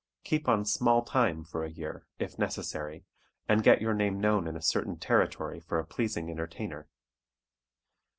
Keep on "small time" for a year, if necessary, and get your name known in a certain territory for a pleasing entertainer.